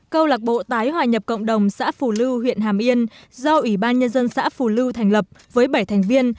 câu lạc bộ tái hòa nhập cộng đồng xã phù lưu huyện hàm yên do ủy ban nhân dân xã phù lưu thành lập với bảy thành viên